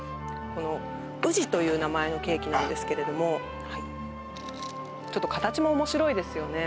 この宇治という名前のケーキなんですけれどもちょっと形も面白いですよね